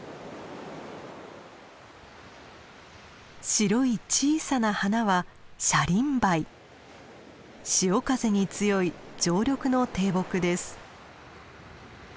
白い小さな花は潮風に強い常緑の低木です。